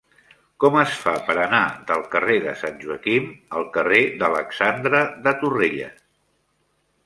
Com es fa per anar del carrer de Sant Joaquim al carrer d'Alexandre de Torrelles?